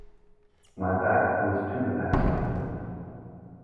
My back was to the basket.